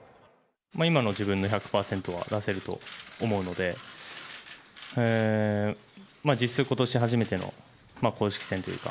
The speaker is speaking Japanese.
今の自分の１００％は出せると思うので、実質、ことし初めての公式戦というか。